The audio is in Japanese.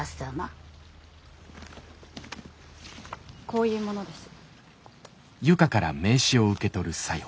こういう者です。